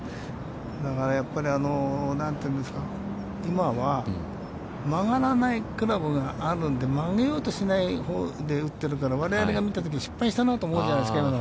だからやっぱり今は、曲がらないクラブがあるので、曲げようとしないほうで打ってるから、我々が見たときに失敗したなと思うじゃないですか今の。